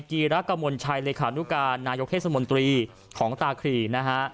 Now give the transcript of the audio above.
ีระกมลชัยเลขานุการนายกเทศมนตรีของตาครีนะฮะ